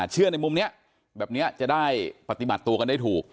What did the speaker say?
ในมุมนี้แบบนี้จะได้ปฏิบัติตัวกันได้ถูก